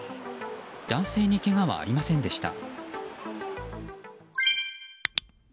男性に、けがはありませんでした。